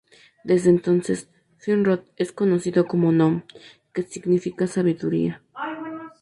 Desde entonces Finrod es conocido como "Nom", que significa "Sabiduría".